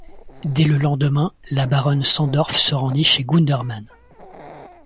Dès le lendemain, la baronne Sandorff se rendit chez Gundermann.